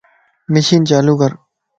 مشين چالو ڪر